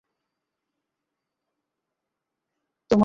তোমার মহল, তুমি ঠিক করো।